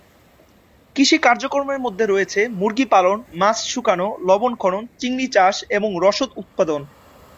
কৃষি কার্যক্রমের মধ্যে রয়েছে মুরগি পালন, মাছ শুকানো, লবণ খনন, চিংড়ি চাষ এবং রসদ উৎপাদন।